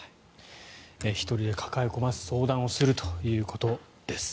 １人で抱え込まず相談するということです。